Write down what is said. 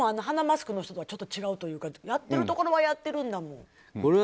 鼻マスクの人とはちょっとちゃうというかやってるところはやってるんだもん。